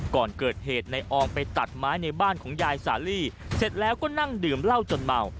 ก่อนเกิดเหตุในอองไปตัดไม้ในบ้านของยายสาลีเสร็จแล้วก็นั่งดื่มเหล้าจนเมา